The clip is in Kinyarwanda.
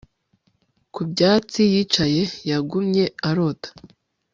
ku byatsi, yicaye, yagumye arota